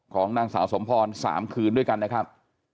ของนางสาวสมพร๓คืนด้วยกันนะครับ